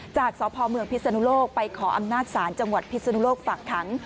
จากสพพิษณุโลกไปขออำนาจศาลจังหวัดพิษณุโลกฝั่งขัง